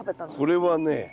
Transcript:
これはね